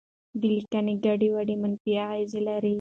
د لیکنې ګډوډي منفي اغېزه لري.